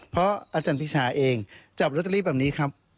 เพราะอาจารย์พิชาเองจับลอตเตอรี่แบบนี้ครับ